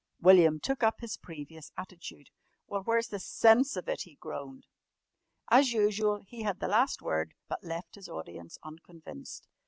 William took up his previous attitude. "Well, where's the sense of it?" he groaned. As usual he had the last word, but left his audience unconvinced.